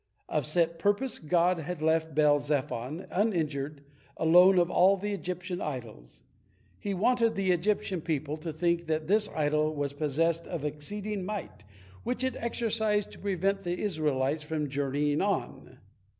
Of set purpose God had left Baal zephon uninjured, alone of all the Egyptian idols. He wanted the Egyptian people to think that this idol was possessed of exceeding might, which it exercised to prevent the Israelites from journeying on.